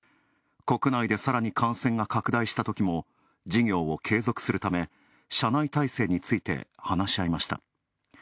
国内でさらに感染が拡大したときも事業を継続するため、社内体制について話し合いました。